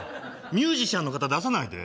ミュージシャンの方出さないで。